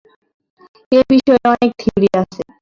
এ বিষয়ে অনেক থিওরি আছে।